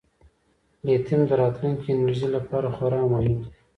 لیتیم د راتلونکي انرژۍ لپاره خورا مهم دی.